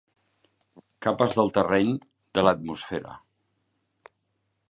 Capes del terreny, de l'atmosfera.